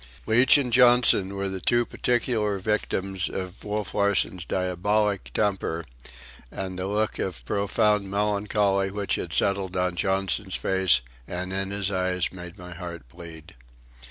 Leach and Johnson were the two particular victims of Wolf Larsen's diabolic temper, and the look of profound melancholy which had settled on Johnson's face and in his eyes made my heart bleed.